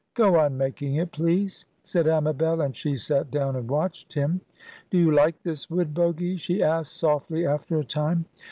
"Go on making it, please," said Amabel; and she sat down and watched him. "Do you like this wood, Bogy?" she asked, softly, after a time.